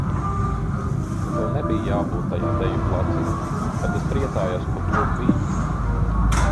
Tev nebija jābūt tajā deju placī, bet es priecājos, ka tur biji.